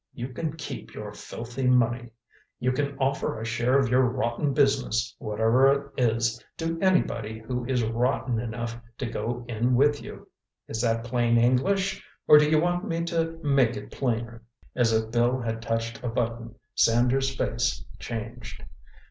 You can keep your filthy money. You can offer a share of your rotten business, whatever it is, to anybody who is rotten enough to go in with you. Is that plain English, or do you want me to make it plainer?" As if Bill had touched a button, Sanders' face changed.